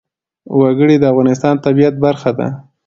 وګړي د افغانستان د طبیعت برخه ده.